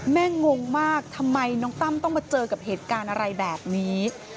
งงมากทำไมน้องตั้มต้องมาเจอกับเหตุการณ์อะไรแบบนี้